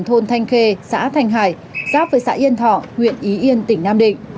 thôn thanh khê xã thanh hải giáp với xã yên thọ huyện ý yên thọ